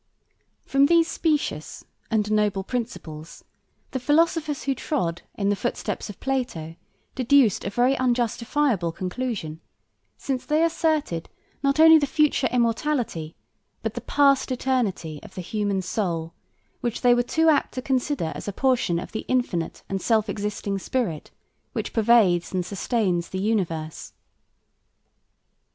From these specious and noble principles, the philosophers who trod in the footsteps of Plato deduced a very unjustifiable conclusion, since they asserted, not only the future immortality, but the past eternity, of the human soul, which they were too apt to consider as a portion of the infinite and self existing spirit, which pervades and sustains the universe.